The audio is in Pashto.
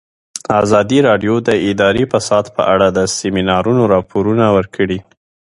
ازادي راډیو د اداري فساد په اړه د سیمینارونو راپورونه ورکړي.